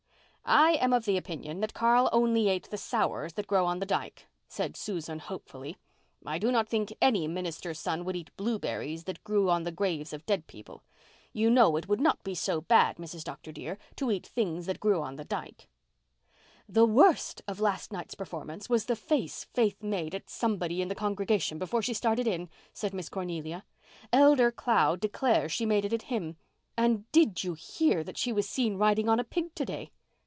"I am of the opinion that Carl only ate the sours that grow on the dyke," said Susan hopefully. "I do not think any minister's son would eat blueberries that grew on the graves of dead people. You know it would not be so bad, Mrs. Dr. dear, to eat things that grew on the dyke." "The worst of last night's performance was the face Faith made made at somebody in the congregation before she started in," said Miss Cornelia. "Elder Clow declares she made it at him. And did you hear that she was seen riding on a pig to day?"